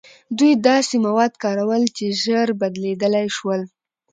دوی داسې مواد کارول چې ژر بدلیدلی شول.